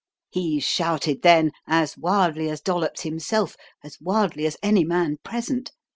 He shouted then as wildly as Dollops himself, as wildly as any man present.